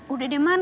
udah deh man